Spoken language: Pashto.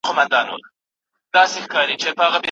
که څوک قصاص سي حق یې خوړل سوی نه دی.